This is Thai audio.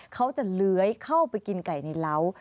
เขาจะเลื้อยเข้าไปกินไก่ในเล้า